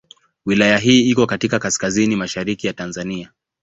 Wilaya hii iko katika kaskazini mashariki ya Tanzania.